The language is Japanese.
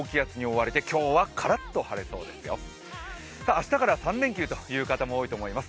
明日から３連休の方も多いかと思います。